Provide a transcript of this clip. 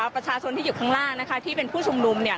ประชาชนที่อยู่ข้างล่างที่เป็นผู้ชมนุม